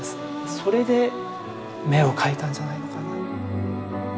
それで眼を描いたんじゃないのかな。